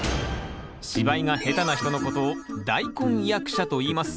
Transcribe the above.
芝居が下手な人のことを「大根役者」といいます。